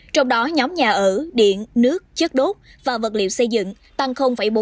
trong đó nhóm nhà ở điện nước chất đốt và vật liệu xây dựng tăng bốn mươi